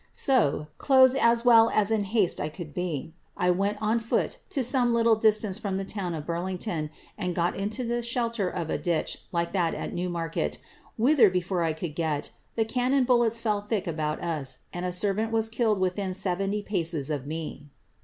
So, clothed as well as in haste 1 could be, I went m foot to some little distance from the town of Burlington, and got into be shelter of a ditch like that at Newmarket, whither, before I could :et, the cannon bullets fell thick about us, and a servant was killed rithin seventy [Mces of me."